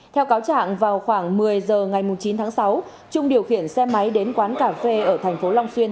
theo cáo trạng vào khoảng một mươi giờ ngày chín tháng sáu trung điều khiển xe máy đến quán cà phê ở thành phố long xuyên